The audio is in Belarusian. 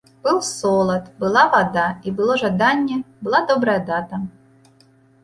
Быў солад, была вада, і было жаданне, была добрая дата.